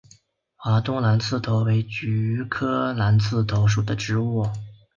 华东蓝刺头为菊科蓝刺头属的植物。